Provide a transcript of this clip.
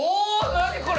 何これ！